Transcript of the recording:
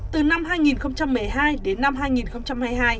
từ năm hai nghìn một mươi hai đến năm hai nghìn hai mươi hai